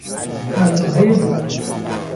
حلقههای دود